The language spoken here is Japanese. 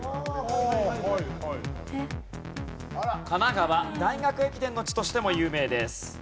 神奈川大学駅伝の地としても有名です。